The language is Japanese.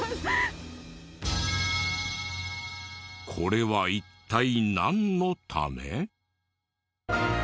これは一体なんのため？